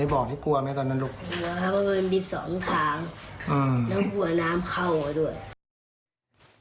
วันนี้ก็มี๒ครางแล้วกลัวน้ำเข้าไหมด้วย